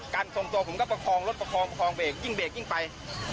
การส่งโตผมก็ประคองรถประคองเบรกยิ่งเบรกยิ่งไป